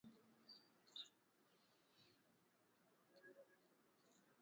Mvua kubwa na ya muda mrefu pamoja na mafuriko